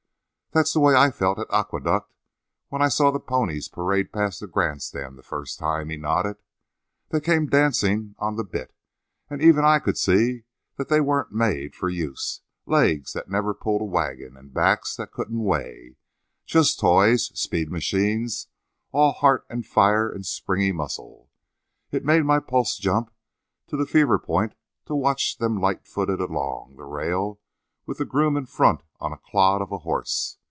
"That's the way I felt at Aqueduct when I saw the ponies parade past the grand stand the first time," he nodded. "They came dancing on the bitt, and even I could see that they weren't made for use; legs that never pulled a wagon, and backs that couldn't weight. Just toys; speed machines; all heart and fire and springy muscles. It made my pulse jump to the fever point to watch them light foot it along the rail with the groom in front on a clod of a horse.